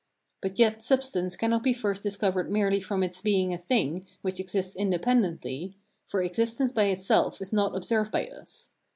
But yet substance cannot be first discovered merely from its being a thing which exists independently, for existence by itself is not observed by us.